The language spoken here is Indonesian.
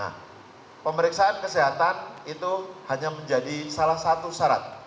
nah pemeriksaan kesehatan itu hanya menjadi salah satu syarat